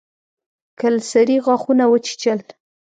کلسري غاښونه وچيچل.